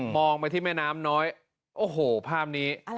องไปที่แม่น้ำน้อยโอ้โหภาพนี้